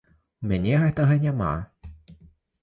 У мяне гэтага няма.